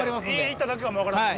行っただけかも分からん。